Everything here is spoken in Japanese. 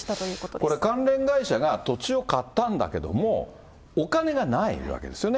これ、関連会社が土地を買ったんだけども、お金がないわけですよね。